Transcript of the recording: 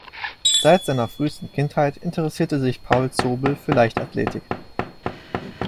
Seit seiner frühesten Kindheit interessierte sich Paul Zobel für Leichtathletik.